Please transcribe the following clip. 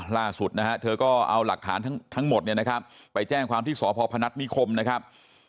ล่าสุดนะฮะเธอก็เอาหลักฐานทั้งหมดเนี่ยนะครับไปแจ้งความที่สพพนัฐนิคมนะครับ